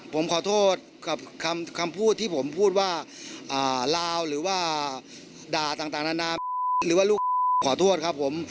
ผมขอโทษกับคำพูดที่ผมพูดว่าลาวหรือว่าด่าต่างนานาหรือว่าลูกขอโทษครับผม